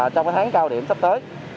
trong cái tháng cao điểm sắp tới